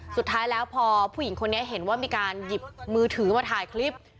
สุดท้ายแล้วพอผู้หญิงคนนี้เห็นว่ามีการหยิบมือถือมาถ่ายคลิป